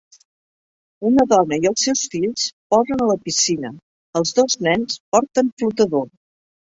Una dona i els seus fills posen a la piscina. Els dos nens porten flotadors.